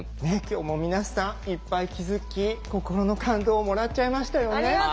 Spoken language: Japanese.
ねえ今日も皆さんいっぱい気づき心の感動をもらっちゃいましたよね。